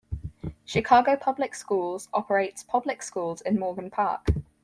Chicago Public Schools operates public schools in Morgan Park.